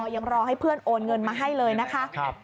ยังรอให้เพื่อนโอนเงินมาให้เลยนะคะ